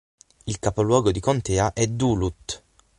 Il capoluogo di contea è Duluth